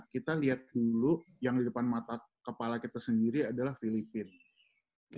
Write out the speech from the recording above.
kita lihat dulu yang di depan mata kepala kita sendiri adalah filipina